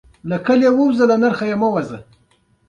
پخوانی یونان د فلسفې ټاټوبی بلل کیږي.